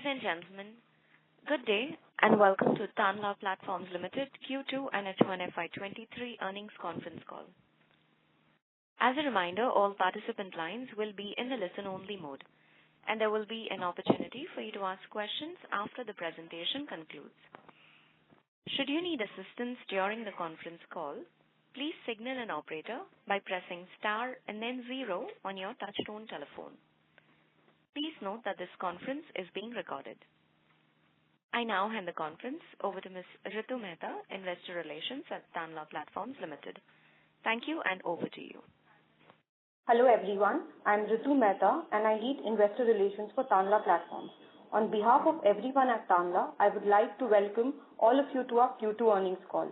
Ladies and gentlemen, good day, and welcome to Tanla Platforms Limited Q2 and H1 FY '23 earnings conference call. As a reminder, all participant lines will be in the listen-only mode, and there will be an opportunity for you to ask questions after the presentation concludes. Should you need assistance during the conference call, please signal an operator by pressing star and then zero on your touchtone telephone. Please note that this conference is being recorded. I now hand the conference over to Ms. Ritu Mehta, investor relations at Tanla Platforms Limited. Thank you, and over to you. Hello, everyone. I'm Ritu Mehta, and I lead investor relations for Tanla Platforms. On behalf of everyone at Tanla, I would like to welcome all of you to our Q2 earnings call.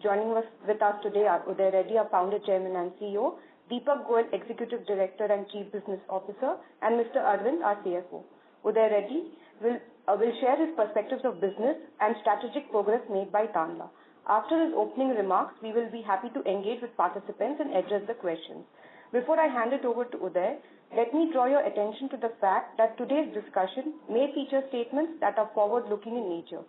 With us today are Uday Reddy, our Founder, Chairman, and CEO, Deepak Goyal, Executive Director and Chief Business Officer, and Mr. Arvind, our CFO. Uday Reddy will share his perspectives of business and strategic progress made by Tanla. After his opening remarks, we will be happy to engage with participants and address the questions. Before I hand it over to Uday, let me draw your attention to the fact that today's discussion may feature statements that are forward-looking in nature.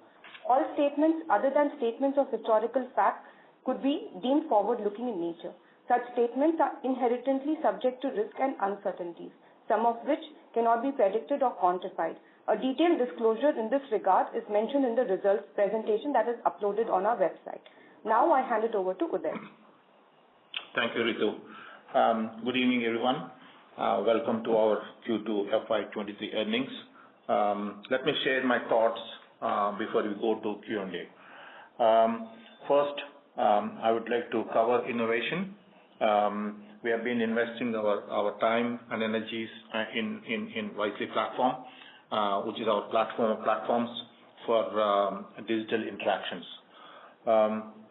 All statements other than statements of historical fact could be deemed forward-looking in nature. Such statements are inherently subject to risk and uncertainties, some of which cannot be predicted or quantified. A detailed disclosure in this regard is mentioned in the results presentation that is uploaded on our website. Now I hand it over to Uday. Thank you, Ritu. Good evening, everyone. Welcome to our Q2 FY '23 earnings. Let me share my thoughts before we go to Q&A. First, I would like to cover innovation. We have been investing our time and energies in Wisely platform, which is our platform of platforms for digital interactions.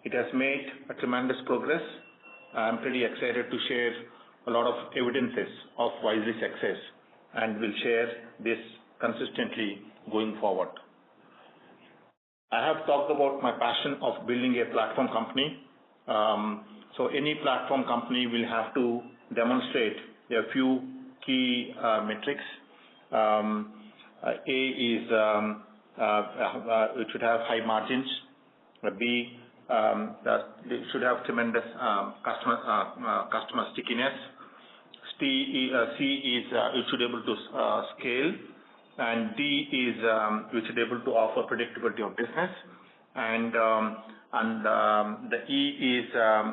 It has made tremendous progress. I'm pretty excited to share a lot of evidences of Wisely's success, and we'll share this consistently going forward. I have talked about my passion of building a platform company. Any platform company will have to demonstrate a few key metrics. A, it should have high margins. B, it should have tremendous customer stickiness. C is it should be able to scale, and D is it should be able to offer predictability of business. The E is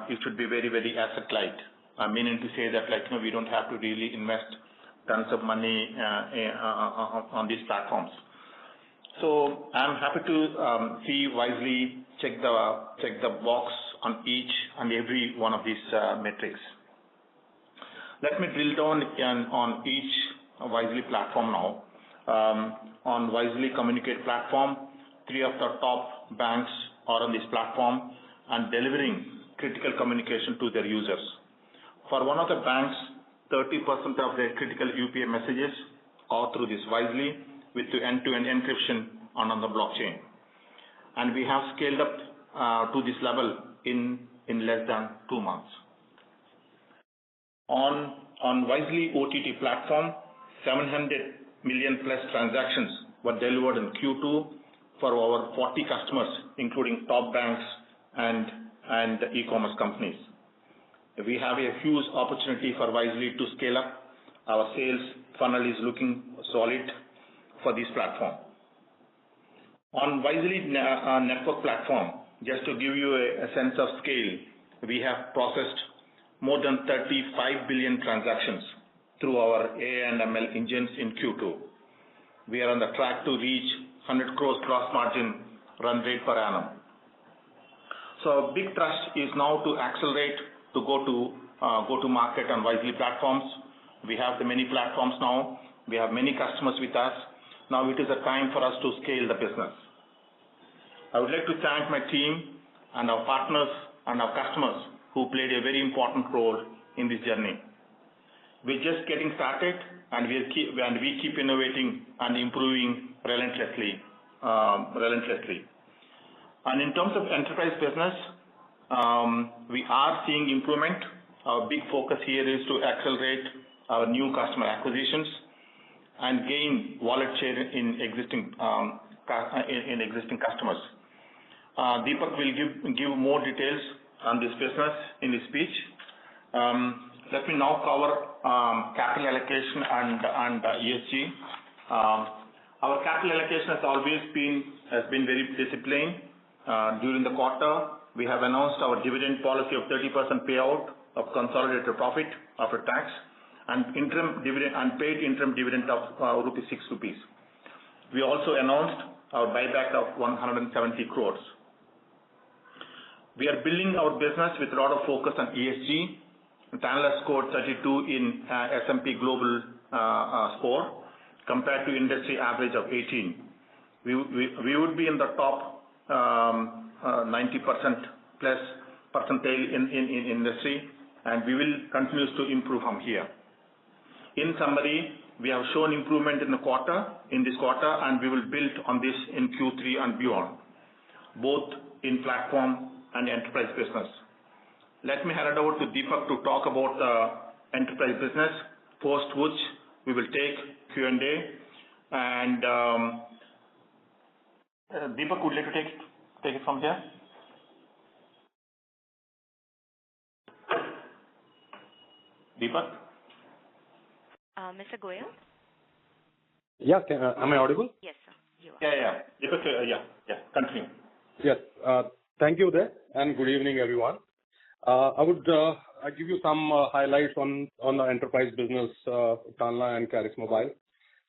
it should be very, very asset light. I'm meaning to say that, like we don't have to really invest tons of money on these platforms. So I'm happy to see Wisely check the box on each and every one of these metrics. Let me drill down on each Wisely platform now. On Wisely Communicate platform, three of the top banks are on this platform and delivering critical communication to their users. For one of the banks, 30% of their critical UPI messages are through this Wisely with end-to-end encryption on the blockchain. We have scaled up to this level in less than two months. On Wisely OTT platform, 700 million-plus transactions were delivered in Q2 for our 40 customers, including top banks and e-commerce companies. We have a huge opportunity for Wisely to scale up. Our sales funnel is looking solid for this platform. On Wisely Network platform, just to give you a sense of scale, we have processed more than 35 billion transactions through our AI and ML engines in Q2. We are on the track to reach 100 crores gross margin run rate per annum. Big thrust is now to accelerate to go to market on Wisely platforms. We have the many platforms now. We have many customers with us. Now it is the time for us to scale the business. I would like to thank my team and our partners and our customers who played a very important role in this journey. We're just getting started, and we'll keep innovating and improving relentlessly. In terms of enterprise business, we are seeing improvement. Our big focus here is to accelerate our new customer acquisitions and gain wallet share in existing customers. Deepak will give more details on this business in his speech. Let me now cover capital allocation and ESG. Our capital allocation has always been very disciplined. During the quarter, we have announced our dividend policy of 30% payout of consolidated profit after tax and interim dividend and paid interim dividend of 6 rupees. We also announced our buyback of 170 crores. We are building our business with a lot of focus on ESG. Tanla scored 32 in S&P Global score compared to industry average of 18. We would be in the top 90%+ percentile in industry, and we will continue to improve from here. In summary, we have shown improvement in this quarter, and we will build on this in Q3 and beyond, both in platform and enterprise business. Let me hand it over to Deepak to talk about enterprise business, post which we will take Q&A. Deepak, would you like to take it from here? Deepak? Mr. Gol? Yes. Am I audible? Yes, sir. You are. Yeah. Deepak, yeah, continue. Yes. Thank you, Uday, and good evening, everyone. I'll give you some highlights on our enterprise business, Tanla and Karix Mobile.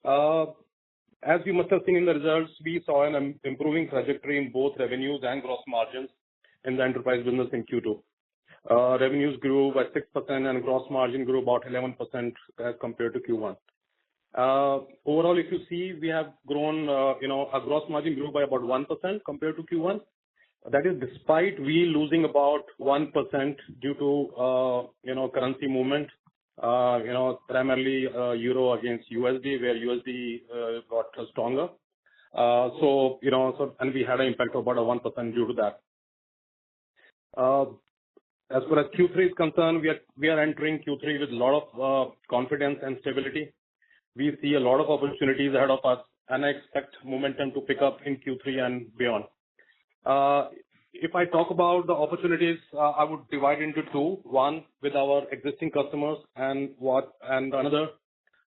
As you must have seen in the results, we saw an improving trajectory in both revenues and gross margins in the enterprise business in Q2. Revenues grew by 6% and gross margin grew about 11%, compared to Q1. Overall, if you see, we have grown our gross margin grew by about 1% compared to Q1. That is despite we losing about 1% due to currency movement. You know, primarily, euro against USD, where USD got stronger. You know, we had an impact of about 1% due to that. As far as Q3 is concerned, we are entering Q3 with a lot of confidence and stability. We see a lot of opportunities ahead of us, and I expect momentum to pick up in Q3 and beyond. If I talk about the opportunities, I would divide into two. One, with our existing customers. Another,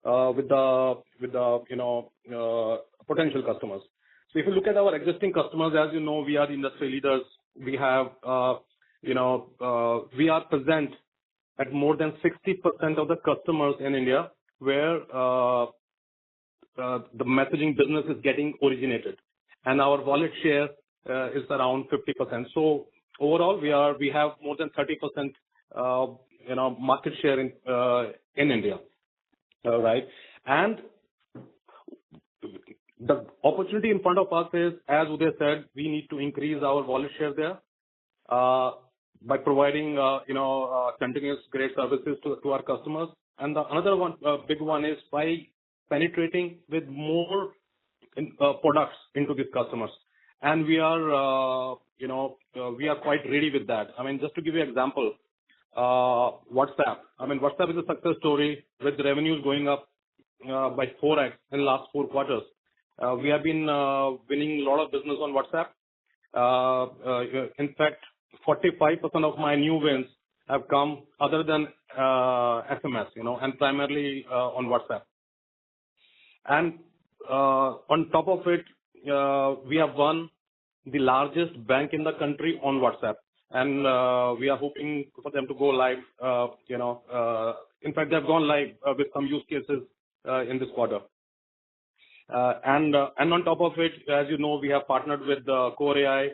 with the potential customers. If you look at our existing customers, as you know, we are industry leaders. We are present at more than 60% of the customers in India where the messaging business is getting originated. Our volume share is around 50%. Overall, we have more than 30% market share in India. All right? The opportunity in front of us is, as Uday said, we need to increase our volume share there by providing you know continuous great services to our customers. Another one big one is by penetrating with more in products into these customers. We are you know we are quite ready with that. I mean, just to give you example, WhatsApp. I mean, WhatsApp is a success story with revenues going up by 4x in last four quarters. We have been winning a lot of business on WhatsApp. In fact, 45% of my new wins have come other than SMS you know and primarily on WhatsApp. On top of it, we have won the largest bank in the country on WhatsApp, and we are hoping for them to go live, you know. In fact, they have gone live with some use cases in this quarter. On top of it, as you know, we have partnered with Kore.ai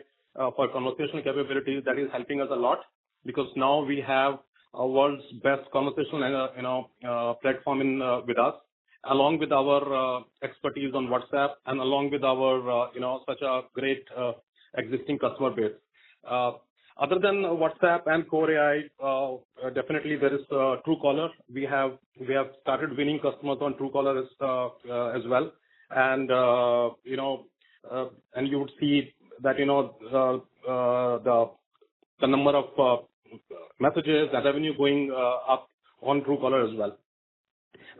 for conversational capabilities. That is helping us a lot because now we have a world's best conversational platform with us, along with our expertise on WhatsApp and along with our you know, such a great existing customer base. Other than WhatsApp and Kore.ai, definitely there is Truecaller. We have started winning customers on Truecaller as well. You know, you would see that you know the number of messages, the revenue going up on Truecaller as well.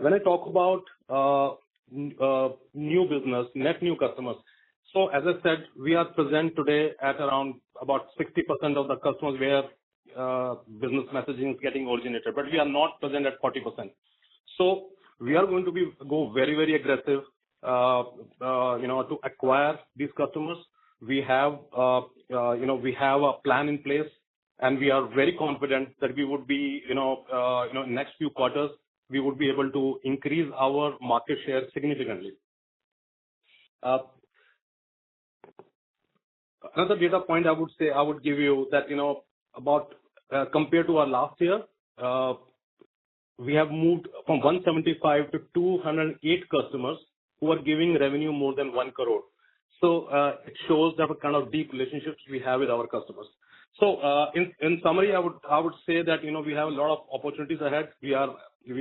When I talk about new business, net new customers. As I said, we are present today at around 60% of the customers where business messaging is getting originated. We are not present at 40%. We are going to go very, very aggressive you know to acquire these customers. We have you know a plan in place, and we are very confident that we would be you know next few quarters, we would be able to increase our market share significantly. Another data point I would say, I would give you that about, compared to our last year, we have moved from 175 to 208 customers who are giving revenue more than 1 crore. It shows the kind of deep relationships we have with our customers. In summary, I would say that we have a lot of opportunities ahead. You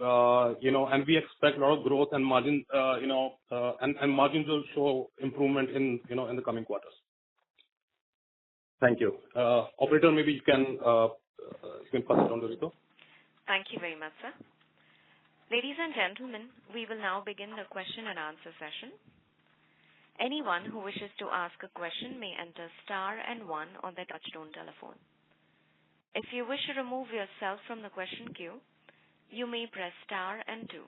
know, we expect a lot of growth and margin and margins will show improvement in the coming quarters. Thank you. Operator, maybe you can pass it on to Ritu. Thank you very much, sir. Ladies and gentlemen, we will now begin the question and answer session. Anyone who wishes to ask a question may enter star and one on their touchtone telephone. If you wish to remove yourself from the question queue, you may press star and two.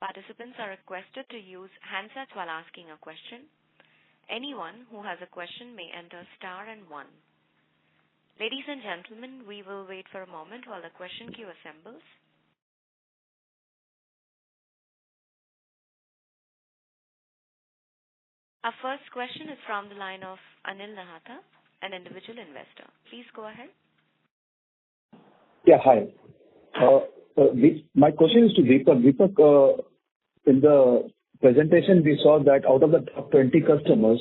Participants are requested to use handsets while asking a question. Anyone who has a question may enter star and one. Ladies and gentlemen, we will wait for a moment while the question queue assembles. Our first question is from the line of Anil Nahata, an individual investor. Please go ahead. Hi. My question is to Deepak. Deepak, in the presentation, we saw that out of the top 20 customers,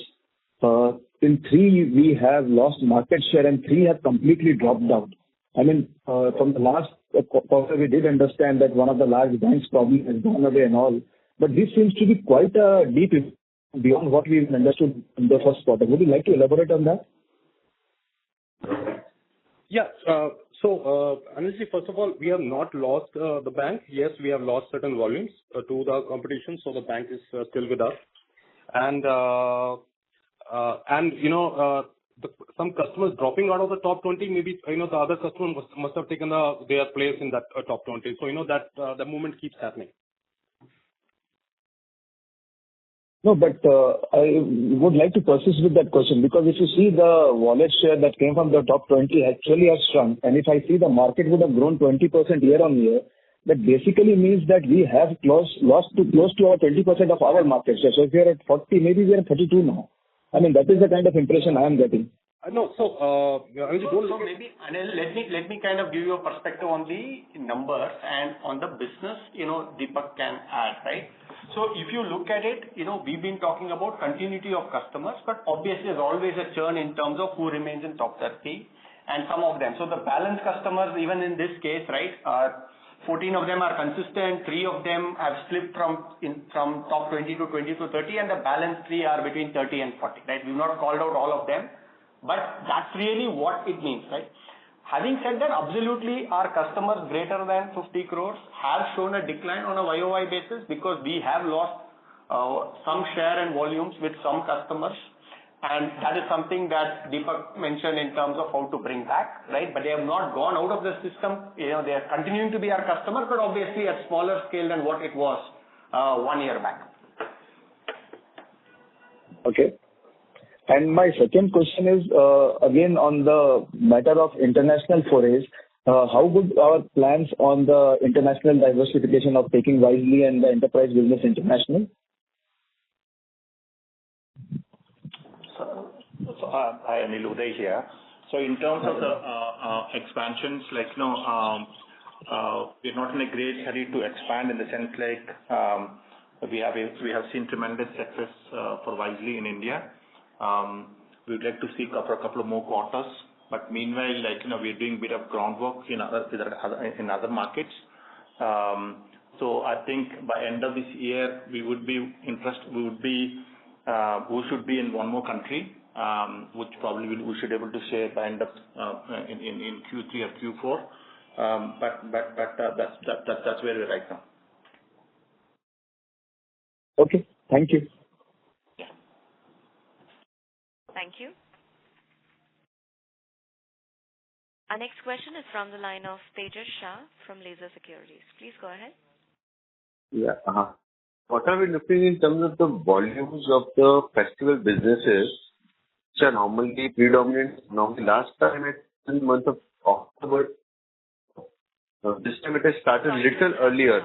in 3 we have lost market share and 3 have completely dropped out. I mean, from the last quarter, we did understand that one of the large banks probably has gone away and all, but this seems to be quite a deep impact beyond what we understood in the first quarter. Would you like to elaborate on that? Yeah. So, Anil Nahata, first of all, we have not lost the bank. Yes, we have lost certain volumes to the competition, so the bank is still with us. You know, some customers dropping out of the top 20 maybe the other customer must have taken their place in that top 20. You know, that the movement keeps happening. No, I would like to persist with that question because if you see the wallet share that came from the top 20 actually has shrunk. If I see the market would have grown 20% year-on-year, that basically means that we have lost close to 20% of our market share. If we are at 40, maybe we are at 32 now. I mean, that is the kind of impression I am getting. I know. I will go. Maybe, Anil, let me kind of give you a perspective on the numbers and on the business Deepak can add, right? If you look at it we've been talking about continuity of customers, but obviously there's always a churn in terms of who remains in top 30 and some of them. The balance customers, even in this case, right, are 14 of them are consistent, three of them have slipped from top 20 to 20 to 30, and the balance three are between 30 and 40, right? We've not called out all of them, but that's really what it means, right? Having said that, absolutely our customers greater than 50 crore have shown a decline on a YOY basis because we have lost some share and volumes with some customers, and that is something that Deepak mentioned in terms of how to bring back, right? They have not gone out of the system. You know, they are continuing to be our customer, but obviously at smaller scale than what it was one year back. Okay. My second question is, again on the matter of international forays, how good are plans on the international diversification of taking Wisely and the enterprise business international? Hi, Anil. Uday here. In terms of the expansions, like we're not in a great hurry to expand in the sense like, we have seen tremendous success for Wisely in India. We would like to see a couple of more quarters. Meanwhile, like we are doing a bit of groundwork in other markets. I think by end of this year, we should be in one more country, which probably we should able to say by end of in Q3 or Q4. That's where we are right now. Okay. Thank you. Yeah. Thank you. Our next question is from the line of Tejas Shah from Lazer Securities. Please go ahead. Yeah. What are we looking in terms of the volumes of the festival businesses which are normally predominant. Normally, last time it's in month of October. This time it has started a little earlier.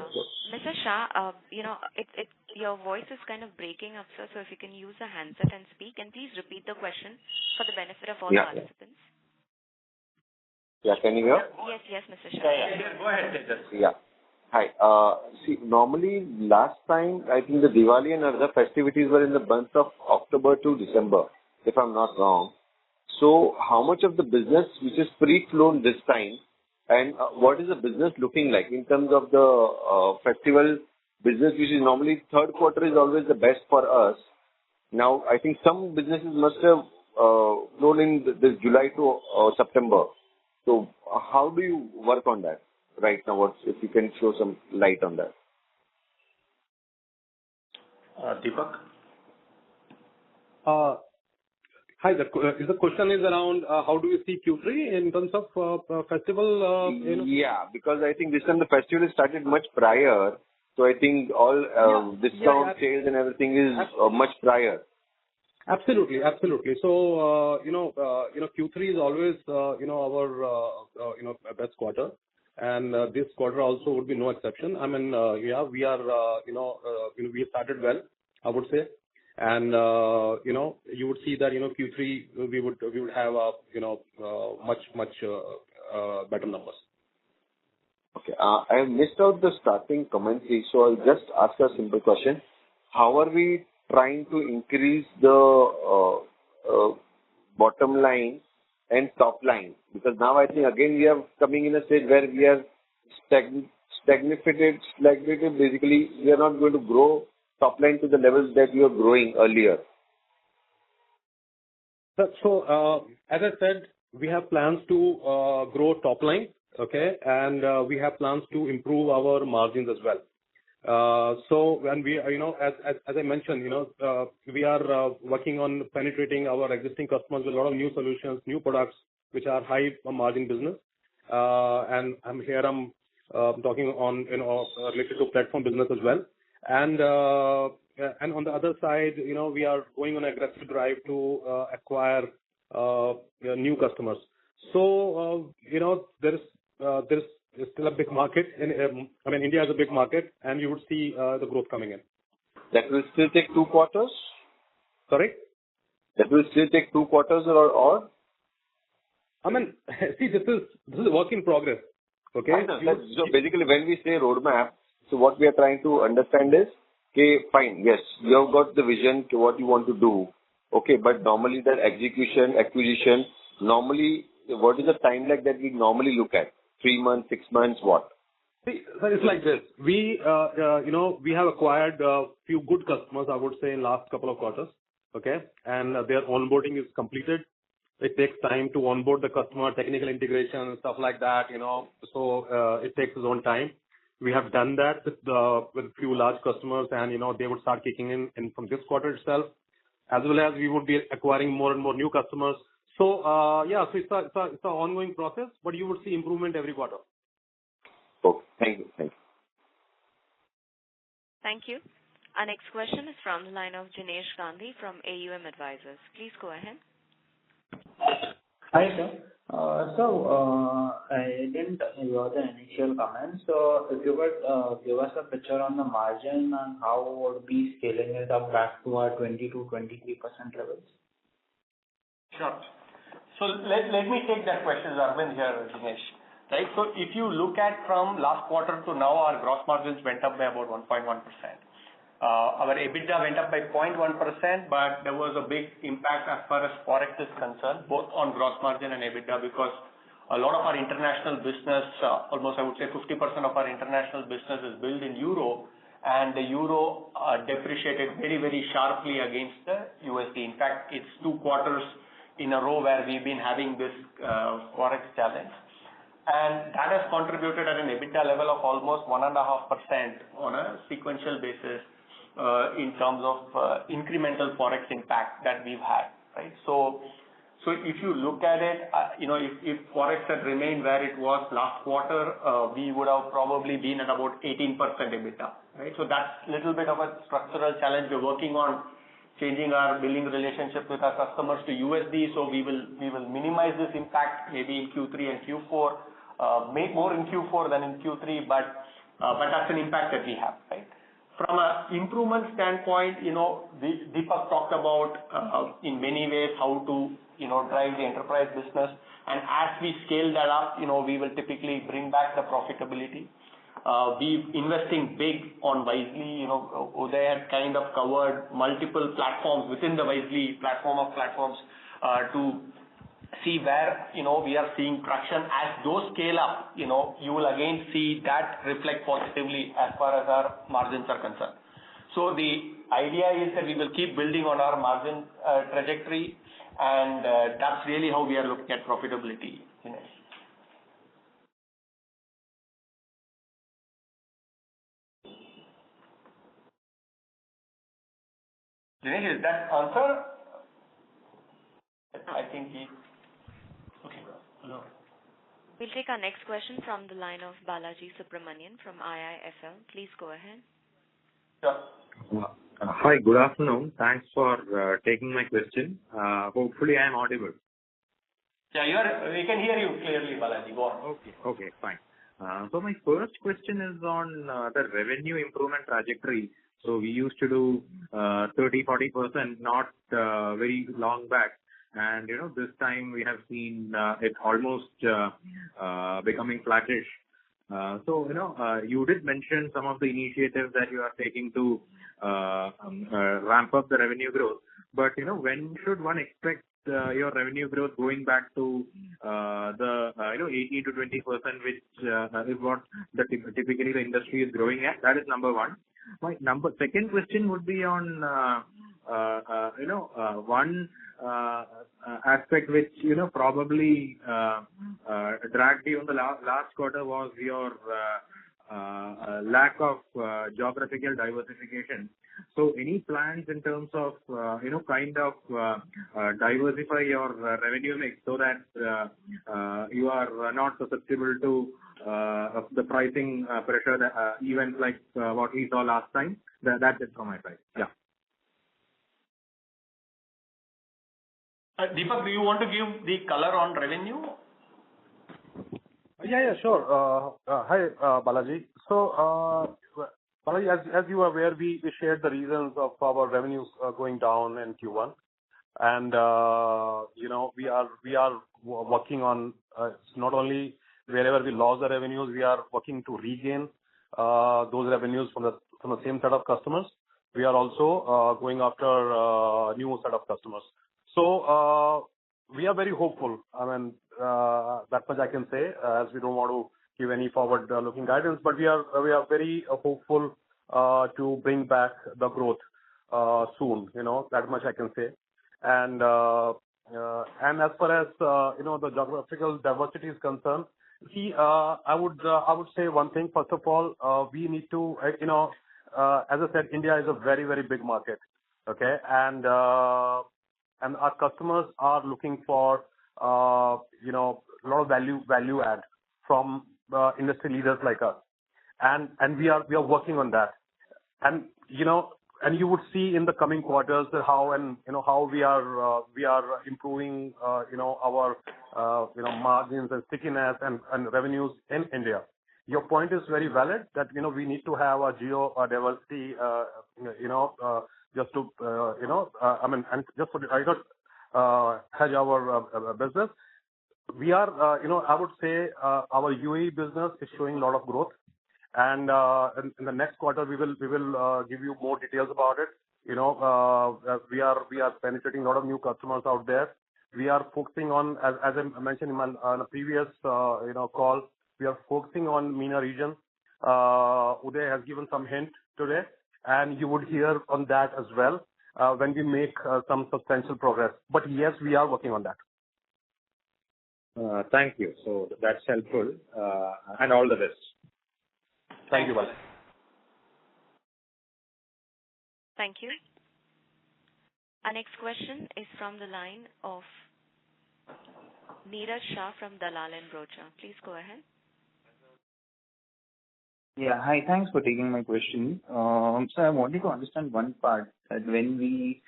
Mr. shah your voice is kind of breaking up, sir. If you can use a handset and speak, and please repeat the question for the benefit of all the participants. Yeah. Yes, can you hear? Yes. Yes, Mr. Shah. Go ahead, Tejas. Yeah. Hi. See, normally last time I think the Diwali and other festivities were in the months of October to December, if I'm not wrong. How much of the business which is preponed this time, and what is the business looking like in terms of the festival business which is normally third quarter is always the best for us. Now, I think some businesses must have preponed in this July to September. How do you work on that right now? If you can shed some light on that. Deepak? Hi there. The question is around how do you see Q3 in terms of festival, you know? Yeah, because I think this time the festival has started much prior. I think all discount sales and everything is much prior. Absolutely. You know, Q3 is always you know, our best quarter. You know, you would see that Q3 we would have much better numbers. Okay. I missed out the starting commentary, so I'll just ask a simple question. How are we trying to increase the bottom line and top line? Because now I think again we are coming in a stage where we are stagnated. Basically, we are not going to grow top line to the levels that we were growing earlier. As I said, we have plans to grow top line, okay? We have plans to improve our margins as well. You know, as I mentioned we are working on penetrating our existing customers with a lot of new solutions, new products which are high margin business. Here I'm talking on related to platform business as well. On the other side we are going on aggressive drive to acquire new customers. You know, there is still a big market in, I mean, India is a big market, and you would see the growth coming in. That will still take 2 quarters? Sorry? That will still take two quarters or? I mean, see, this is a work in progress, okay? I know. Basically when we say roadmap, so what we are trying to understand is, okay, fine. Yes, you have got the vision to what you want to do. Okay, normally the execution, acquisition, normally what is the timeline that we normally look at? Three months, six months, what? See, it's like this. we we have acquired a few good customers, I would say, in last couple of quarters. Okay? Their onboarding is completed. It takes time to onboard the customer, technical integration and stuff like that, you know. It takes its own time. We have done that with a few large customers and they would start kicking in from this quarter itself, as well as we would be acquiring more and more new customers. Yeah. It's an ongoing process, but you will see improvement every quarter. Okay. Thank you. Thank you. Thank you. Our next question is from the line of Jinesh Gandhi from AUM Advisors. Please go ahead. Hi, sir. I didn't hear the initial comments. If you would give us a picture on the margin and how we would scale it up back to our 20%-23% levels? Sure. Let me take that question, Aravind here, Jinesh. Right. If you look at from last quarter to now, our gross margins went up by about 1.1%. Our EBITDA went up by 0.1%, but there was a big impact as far as Forex is concerned, both on gross margin and EBITDA, because a lot of our international business, almost I would say 50% of our international business is billed in euro and the euro depreciated very, very sharply against the USD. In fact, it's two quarters in a row where we've been having this Forex challenge. That has contributed at an EBITDA level of almost 1.5% on a sequential basis, in terms of incremental Forex impact that we've had. Right? If you look at it if forex had remained where it was last quarter, we would have probably been at about 18% EBITDA. Right? That's a little bit of a structural challenge. We're working on changing our billing relationship with our customers to USD. We will minimize this impact maybe in Q3 and Q4, maybe more in Q4 than in Q3. But that's an impact that we have. Right? From an improvement standpoint Deepak talked about how to drive the enterprise business. As we scale that up we will typically bring back the profitability. We're investing big on Wisely. You know, Uday kind of covered multiple platforms within the Wisely platform of platforms to see where we are seeing traction. As those scale up you will again see that reflect positively as far as our margins are concerned. The idea is that we will keep building on our margin trajectory, and that's really how we are looking at profitability, Jinesh. Jinesh, does that answer? Okay. Hello. We'll take our next question from the line of Balaji Subramanian from IIFL. Please go ahead. Sure. Hi. Good afternoon. Thanks for taking my question. Hopefully I am audible. Yeah, you are. We can hear you clearly, Balaji. Go on. Okay, fine. My first question is on the revenue improvement trajectory. We used to do 30, 40% not very long back. You know, this time we have seen it almost becoming flattish. You know, you did mention some of the initiatives that you are taking to ramp up the revenue growth. You know, when should one expect your revenue growth going back to the you know, 18%-20%, which is what typically the industry is growing at? That is number one. Second question would be on you know, one aspect which you know, probably dragged you in the last quarter was your lack of geographical diversification. Any plans in terms of kind of, diversify your revenue mix so that, you are not susceptible to, the pricing, pressure, the, events like, what we saw last time? That is from my side. Yeah. Deepak, do you want to give the color on revenue? Yeah, yeah. Sure. Hi, Balaji. Balaji, as you are aware, we shared the reasons of our revenues going down in Q1. You know, we are working on not only wherever we lost the revenues, we are working to regain those revenues from the same set of customers. We are also going after a new set of customers. We are very hopeful. I mean, that much I can say, as we don't want to give any forward-looking guidance. We are very hopeful to bring back the growth soon. You know, that much I can say. As far as you know the geographical diversity is concerned, see, I would say one thing, first of all, we need to you know as I said, India is a very very big market. Okay? Our customers are looking for you know lot of value add from industry leaders like us. We are working on that. You know you would see in the coming quarters how you know how we are improving you know our you know margins and stickiness and revenues in India. Your point is very valid that you know we need to have a geo diversity you know just to you know I mean and just to further hedge our business. We are I would say, our UAE business is showing a lot of growth and, in the next quarter, we will give you more details about it. You know, as we are penetrating a lot of new customers out there. We are focusing on, as I mentioned on a previous call, we are focusing on MENA region. Uday has given some hint today, and you would hear on that as well, when we make some substantial progress. Yes, we are working on that. Thank you. That's helpful, and all the best. Thank you, Balaji. Thank you. Our next question is from the line of Neeraj Shah from Dalal & Broacha. Please go ahead. Yeah. Hi. Thanks for taking my question. I wanted to understand one part, that when we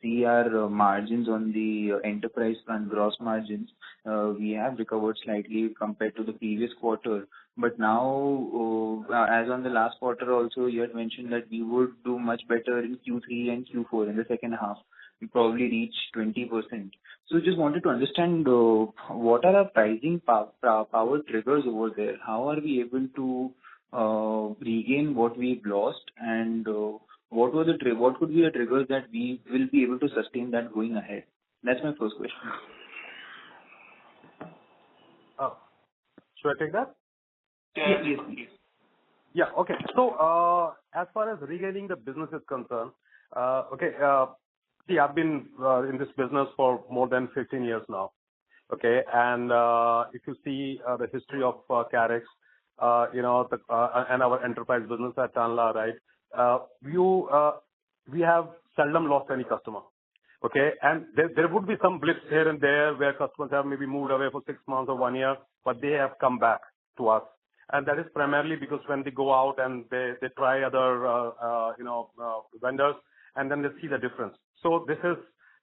see our margins on the enterprise front gross margins, we have recovered slightly compared to the previous quarter. Now, as on the last quarter also, you had mentioned that we would do much better in Q3 and Q4. In the H2, we probably reach 20%. Just wanted to understand, what are our pricing power triggers over there. How are we able to regain what we've lost, and what could be the trigger that we will be able to sustain that going ahead? That's my first question. Oh. Should I take that? Yeah, please. Please. Yeah. Okay. As far as regaining the business is concerned, okay, see, I've been in this business for more than 15 years now, okay? If you see the history of karix and our enterprise business at Tanla, right, we have seldom lost any customer. Okay? There would be some blips here and there where customers have maybe moved away for six months or one year, but they have come back to us. That is primarily because when they go out and they try other vendors, and then they see the difference. This is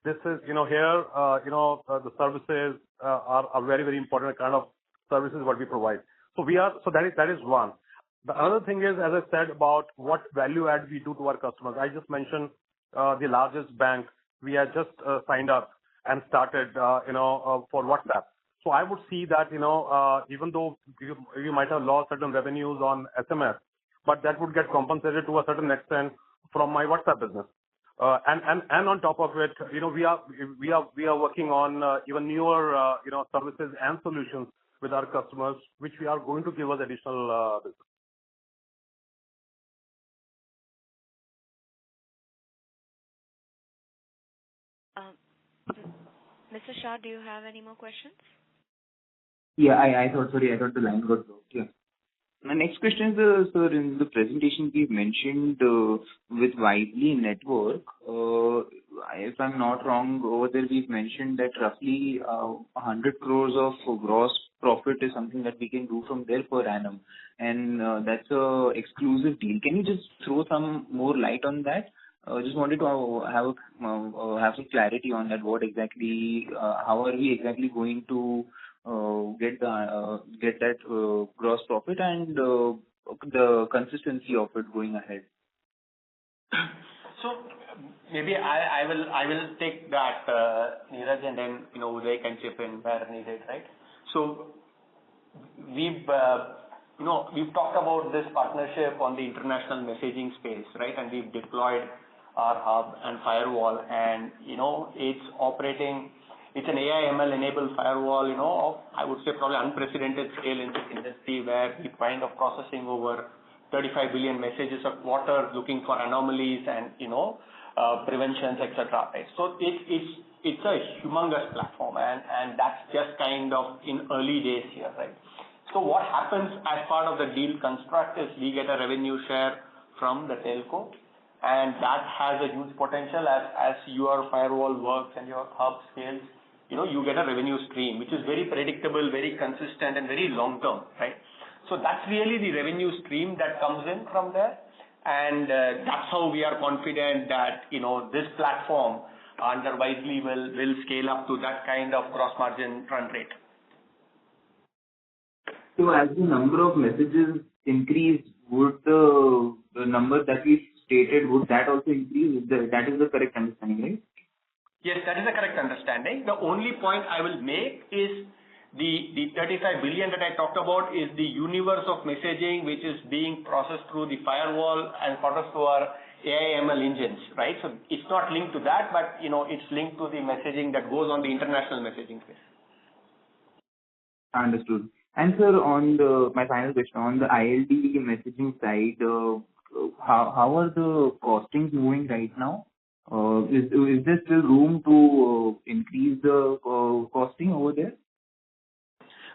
here the services are very, very important kind of services what we provide. That is one. The other thing is, as I said, about what value add we do to our customers. I just mentioned the largest bank we had just you know for WhatsApp. I would see that even though you might have lost certain revenues on SMS, but that would get compensated to a certain extent from my WhatsApp business. And on top of it we are working on even newer you know services and solutions with our customers, which we are going to give us additional business. Mr. Shah, do you have any more questions? Yeah. I thought the line was broken. My next question is, sir, in the presentation we've mentioned, with Wisely Network, if I'm not wrong, over there we've mentioned that roughly, 100 crores of gross profit is something that we can do from there per annum, and that's an exclusive deal. Can you just throw some more light on that? Just wanted to have some clarity on that. What exactly? How are we exactly going to get that gross profit and the consistency of it going ahead? Maybe I will take that, Neeraj, and then Uday can chip in where needed, right? We've talked about this partnership on the international messaging space, right? We've deployed our hub and firewall and it's operating. It's an AI ML enabled firewall of, I would say, probably unprecedented scale in this industry, where we're kind of processing over 35 billion messages a quarter, looking for anomalies and preventions, etc. It's a humongous platform and that's just kind of in early days here, right? What happens as part of the deal construct is we get a revenue share from the telco, and that has a huge potential. As your firewall works and your hub scales you get a revenue stream which is very predictable, very consistent and very long-term, right? That's really the revenue stream that comes in from there. That's how we are confident that this platform under Wisely will scale up to that kind of gross margin run rate. As the number of messages increase, would the number that we've stated, would that also increase? That is the correct understanding, right? Yes, that is the correct understanding. The only point I will make is the thirty-five billion that I talked about is the universe of messaging which is being processed through the firewall and part of our AI ML engines, right? It's not linked to that, but it's linked to the messaging that goes on the international messaging space. Understood. Sir, on my final question. On the ILD messaging side, how are the costings moving right now? Is there still room to increase the costing over there?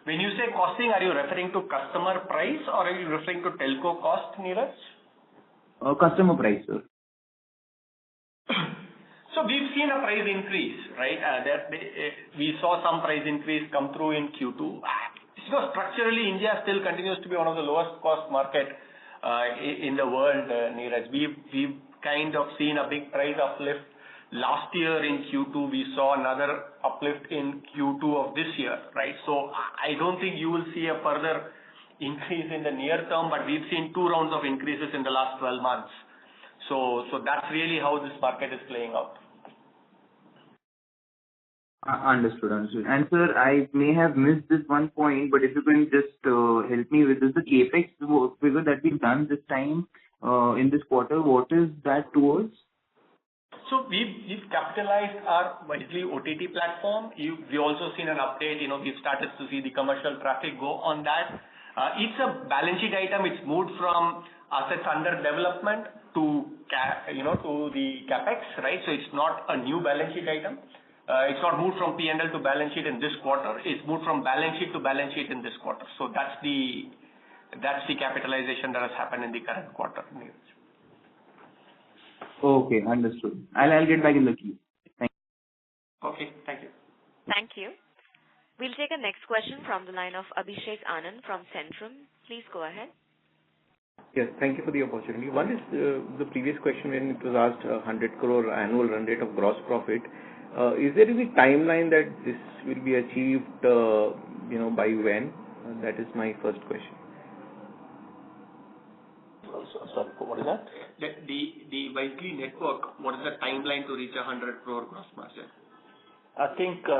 When you say costing, are you referring to customer price or are you referring to telco cost, Neeraj? Customer price, sir. We've seen a price increase, right? There've been, we saw some price increase come through in Q2. Structurally, India still continues to be one of the lowest cost market in the world, Neeraj. We've kind of seen a big price uplift last year in Q2. We saw another uplift in Q2 of this year, right? I don't think you will see a further increase in the near term. We've seen two rounds of increases in the last 12 months. That's really how this market is playing out. Understood. Sir, I may have missed this one point, but if you can just help me with this, the CapEx figure that we've done this time in this quarter, what is that towards? We've capitalized our Wisely OTT platform. We've also seen an update we've started to see the commercial traffic go on that. It's a balance sheet item. It's moved from assets under development to the capex right? It's not a new balance sheet item. It's not moved from P&L to balance sheet in this quarter. It's moved from balance sheet to balance sheet in this quarter. That's the capitalization that has happened in the current quarter. Okay, understood. I'll get back in the queue. Thank you. Okay, thank you. Thank you. We'll take a next question from the line of Abhishek Anand from Centrum. Please go ahead. Yes, thank you for the opportunity. One is, the previous question when it was asked 100 crore annual run rate of gross profit. Is there any timeline that this will be achieved by when? That is my first question. Sorry, what is that? The Wisely Network, what is the timeline to reach 100 crore gross profit? I think we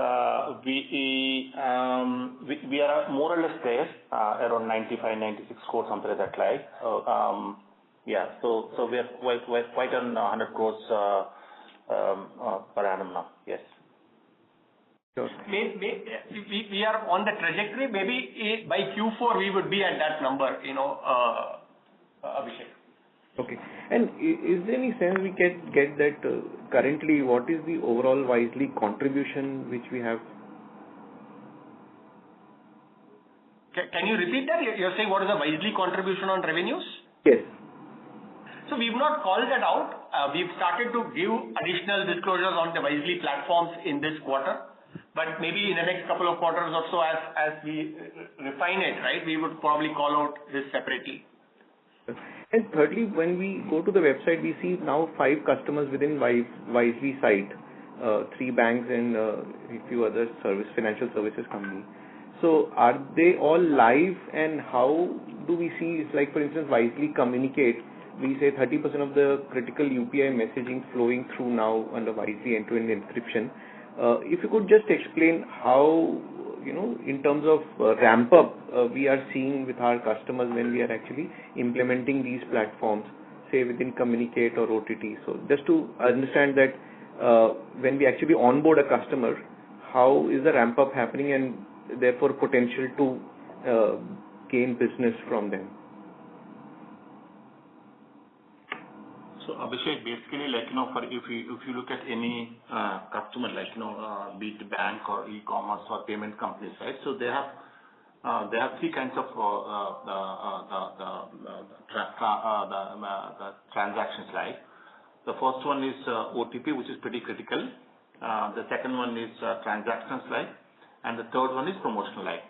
are more or less there around 95-96 crores somewhere in that line. Yeah. We are quite on the 100 crores per annum now. Yes. Sure. We are on the trajectory. Maybe by Q4 we would be at that number Abhishek. Okay. Is there any sense we can get that currently what is the overall Wisely contribution which we have? Can you repeat that? You're saying what is the Wisely contribution on revenues? Yes. We've not called that out. We've started to give additional disclosures on the Wisely platforms in this quarter. Maybe in the next couple of quarters or so, as we refine it, right, we would probably call out this separately. Thirdly, when we go to the website, we see now 5 customers within Wisely suite, 3 banks and a few other financial services company. Are they all live and how do we see, it's like for instance, Wisely Communicate, we say 30% of the critical UPI messaging flowing through now under Wisely end-to-end encryption. If you could just explain how in terms of ramp up, we are seeing with our customers when we are actually implementing these platforms, say within Communicate or OTT. Just to understand that, when we actually onboard a customer, how is the ramp up happening and therefore potential to gain business from them. Abhishek, basically like if you look at any customer like be it bank or e-commerce or payment companies, right? They have three kinds of transactions, right. The first one is OTP, which is pretty critical. The second one is transactions, right. And the third one is promotional, right.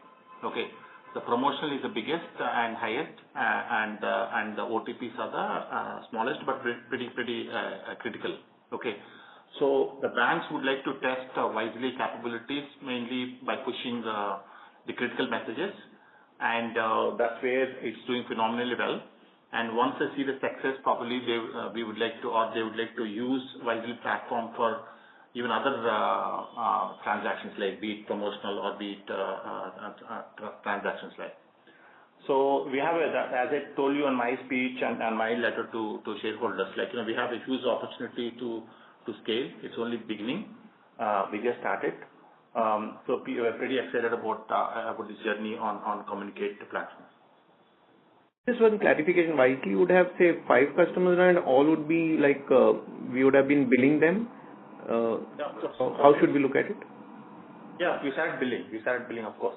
Okay. The promotional is the biggest and highest, and the OTPs are the smallest, but pretty critical. Okay. The banks would like to test Wisely capabilities mainly by pushing the critical messages. And that's where it's doing phenomenally well. Once they see the success, probably they, we would like to or they would like to use Wisely platform for even other transactions like be it promotional or be it transactions, right. As I told you on my speech and my letter to shareholders, like we have a huge opportunity to scale. It's only beginning. We just started. We are pretty excited about this journey on Communicate platform. Just one clarification. Wisely would have, say, five customers and all would be like, we would have been billing them? How should we look at it? Yeah, we started billing, of course.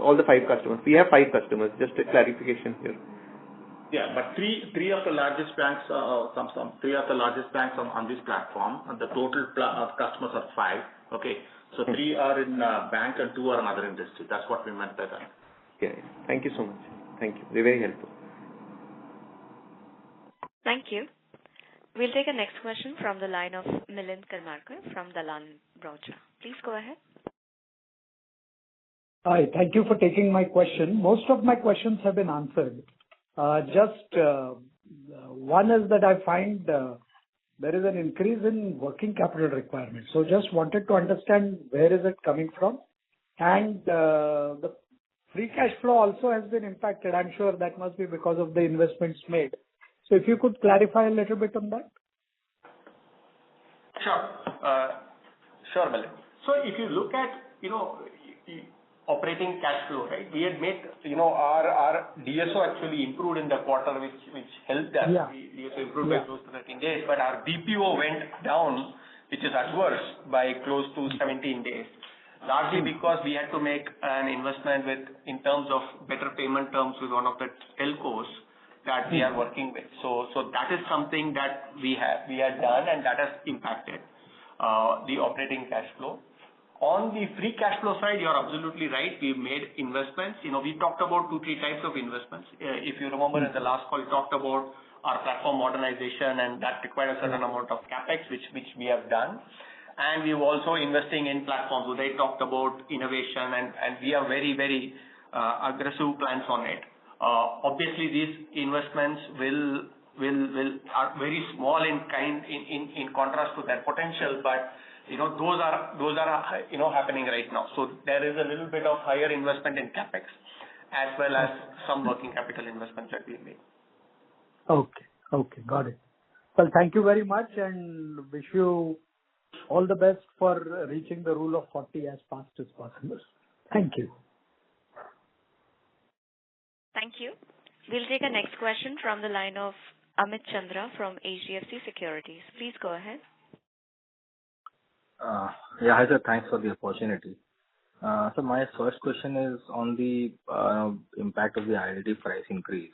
All the 5 customers. We have 5 customers. Just a clarification here. Three of the largest banks on this platform. The total customers are five. Okay? Three are in bank and two are in other industry. That's what we meant by that. Okay. Thank you so much. Thank you. Very helpful. Thank you. We'll take the next question from the line of Milind Karmarkar from Dalal & Broacha. Please go ahead. Hi. Thank you for taking my question. Most of my questions have been answered. Just one is that I find there is an increase in working capital requirements. Just wanted to understand where is it coming from. The free cash flow also has been impacted. I'm sure that must be because of the investments made. If you could clarify a little bit on that. Sure. Sure, Milind. If you look at operating cash flow, right, we had made our DSO actually improved in the quarter, which helped us. Yeah. We improved by close to 13 days, but our DPO went down, which is adverse by close to 17 days. Okay. Largely because we had to make an investment with in terms of better payment terms with one of the telcos that we are working with. That is something that we had done, and that has impacted the operating cash flow. On the free cash flow side, you're absolutely right, we've made investments. You know, we talked about two, three types of investments. If you remember in the last call, we talked about our platform modernization, and that required a certain amount of CapEx, which we have done. We're also investing in platforms. Sudhir talked about innovation and we have very, very aggressive plans on it. Obviously these investments are very small in kind, in contrast to their potential. You know, those are happening right now. There is a little bit of higher investment in CapEx. As well as some working capital investments that we made. Okay, got it. Well, thank you very much and wish you all the best for reaching the rule of 40 as fast as possible. Thank you. Thank you. We'll take our next question from the line of Amit Chandra from HDFC Securities. Please go ahead. Yeah. Hi, sir. Thanks for the opportunity. My first question is on the impact of the ILD price increase.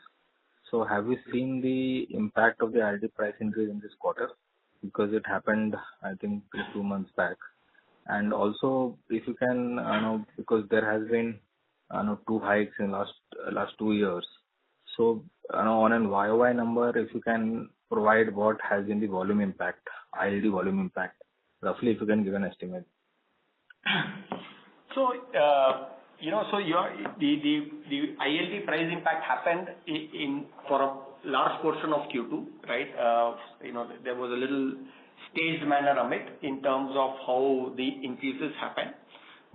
Have you seen the impact of the ILD price increase in this quarter? Because it happened, I think, 2 months back. Also if you can, I don't know, because there has been, I don't know, 2 hikes in last 2 years. I don't know, on an YOY number, if you can provide what has been the volume impact, ILD volume impact. Roughly, if you can give an estimate. You know, the ILD price impact happened for a large portion of Q2, right? You know, there was a little staged manner, Amit, in terms of how the increases happened,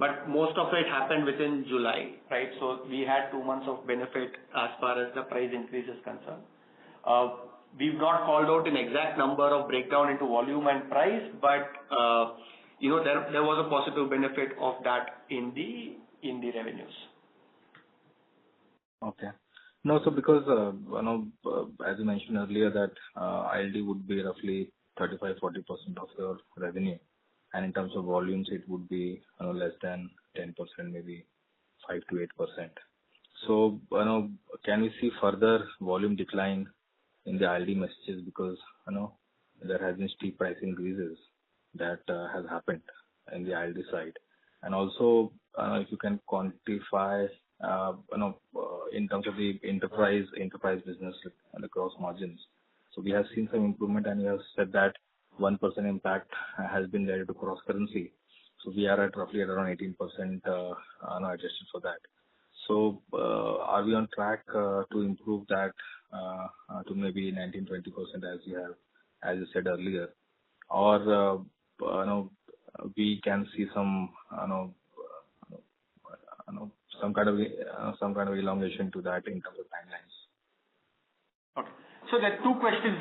but most of it happened within July, right? We had two months of benefit as far as the price increase is concerned. We've not called out an exact number or breakdown into volume and price, but there was a positive benefit of that in the revenues. Okay. Now, because you know, as you mentioned earlier, that ILD would be roughly 35-40% of your revenue, and in terms of volumes, it would be, I don't know, less than 10%, maybe 5%-8%. I don't know, can we see further volume decline in the ILD messages because there has been steep price increases that has happened in the ILD side. Also, if you can quantify in terms of the enterprise business and the gross margins. We have seen some improvement, and you have said that 1% impact has been related to cross-currency. We are at roughly around 18%, on our adjustment for that. Are we on track to improve that to maybe 19%-20% as you have, as you said earlier? I don't know, we can see some kind of elongation to that in terms of timelines. Okay. There are two questions